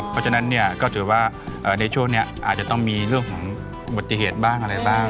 เพราะฉะนั้นเนี่ยก็ถือว่าในช่วงนี้อาจจะต้องมีเรื่องของอุบัติเหตุบ้างอะไรบ้าง